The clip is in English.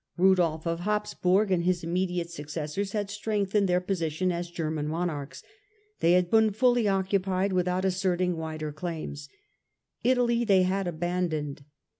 Kudolf of Habsburg and his immediate successors had strengthened their posi tion as German Monarchs, they had been fully occupied without asserting wider claims ; Italy they had abandoned.